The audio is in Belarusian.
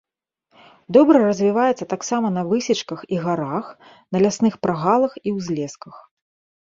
Добра развіваецца таксама на высечках і гарах, на лясных прагалах і ўзлесках.